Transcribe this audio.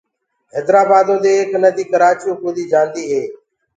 هيدرآبآدو دي ايڪ نديٚ ڪرآچيو ڪوديٚ جآنٚديٚ هي